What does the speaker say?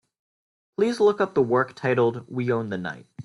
Please look up for the work titled We Own The Night.